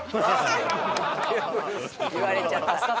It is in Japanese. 言われちゃった。